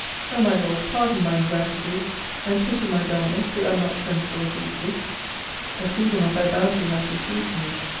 O my Lord pardon my ingratitude, and pity my dullness who am not sensible of these gifts. The freedom of thy bounty hath deceived me.